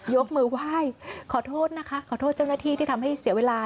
ยกมือไหว้ขอโทษนะคะขอโทษเจ้าหน้าที่ที่ทำให้เสียเวลา